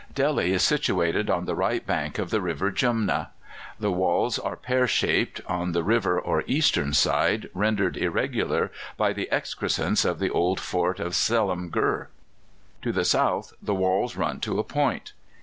Delhi is situated on the right bank of the river Jumna. The walls are pear shaped, on the river or eastern side rendered irregular by the excrescence of the old fort of Selimgurh. To the south the walls run to a point.